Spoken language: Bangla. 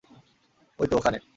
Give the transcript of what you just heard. ঐতো, ওখানে।